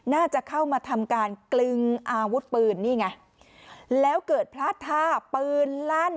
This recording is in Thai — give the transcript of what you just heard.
น่าจะเข้ามาทำการกลึงอาวุธปืนนี่ไงแล้วเกิดพลาดท่าปืนลั่น